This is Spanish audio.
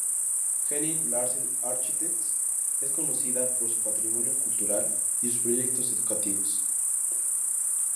Henning Larsen Architects es conocida por su patrimonio cultural y sus proyectos educativos.